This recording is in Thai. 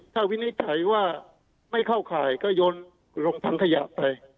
ถ้าวินิจฉัยว่าไม่เข้าข่ายก็โยนลงถังขยะไป